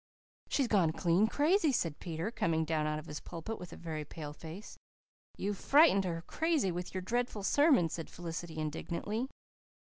"She's gone clean crazy," said Peter, coming down out of his pulpit with a very pale face. "You've frightened her crazy with your dreadful sermon," said Felicity indignantly.